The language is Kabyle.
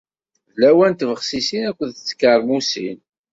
D lawan n tbexsisin akked tkermusin.